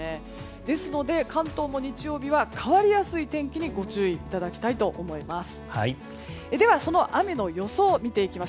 ですので、関東も日曜日は変わりやすい天気にご注意いただきたいと思います。